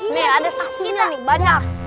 nih ada saksinya nih banyak